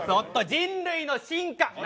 人類の進化。